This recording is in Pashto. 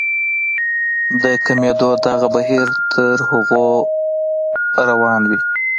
د کمېدو دغه بهير تر هغو روان وي.